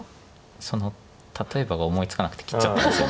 その「例えば」が思いつかなくて切っちゃったんですよね。